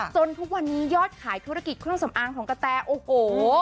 จนทุกวันนี้ยอดขายธุรกิจเครื่องสำอางของกะแตโอ้โห